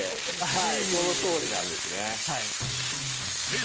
はいそのとおりなんですね。